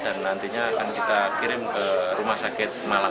dan nantinya akan kita kirim ke rumah sakit malam